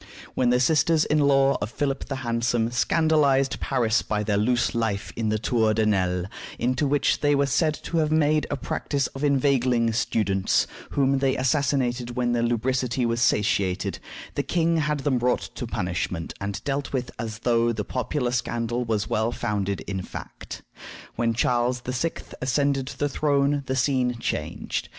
When the sisters in law of Philip the Handsome scandalized Paris by their loose life in the Tour de Nesle, into which they were said to make a practice of inveigling students, whom they assassinated when their lubricity was satiated, the king had them brought to punishment and dealt with as though the popular scandal was well founded in fact. When Charles VI. ascended the throne the scene changed.